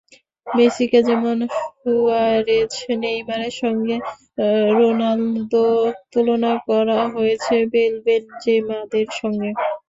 মেসিকে যেমন সুয়ারেজ, নেইমারের সঙ্গে, রোনালদোকে তুলনা করা হয়েছে বেল, বেনজেমাদের সঙ্গে।